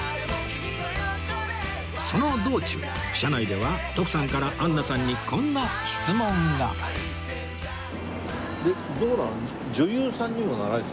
その道中車内では徳さんからアンナさんにこんな質問がでどうなの？